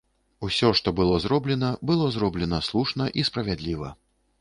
Усё, што было зроблена, было зроблена слушна і справядліва!